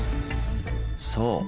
そう。